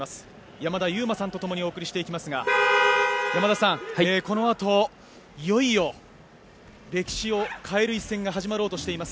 山田勇磨さんとともにお送りしていきますが山田さん、このあといよいよ歴史を変える一戦が始まろうとしています。